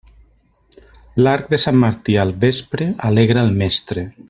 L'arc de Sant Martí al vespre alegra el mestre.